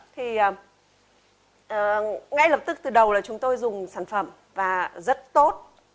thì ngay lập tức từ đầu là chúng tôi dùng sản phẩm và rất tốt